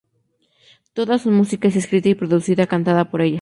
Toda su música es escrita, producida y cantada por ella.